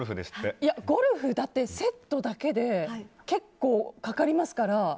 ゴルフ、だって、セットだけで結構かかりますから。